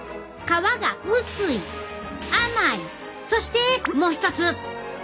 そしてもう一つ！